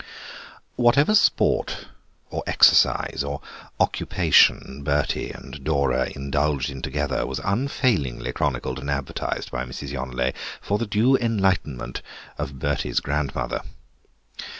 Whatever sport or exercise or occupation Bertie and Dora indulged in together was unfailingly chronicled and advertised by Mrs. Yonelet for the due enlightenment of Bertie's grandmother.